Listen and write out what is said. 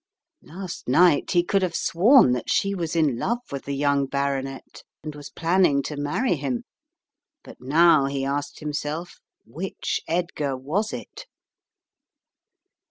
Last night he could have sworn that she was in love with the young baronet and was planning to marry him, but now he asked himself: "Which Edgar was it?"